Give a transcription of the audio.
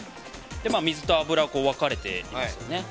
水と油、分かれていますよね。